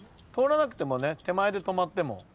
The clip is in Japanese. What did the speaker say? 通らなくてもね手前で止まっても。